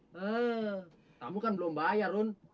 eh kamu kan belum bayar run